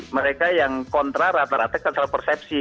mereka yang kontra rata rata kesalahan persepsi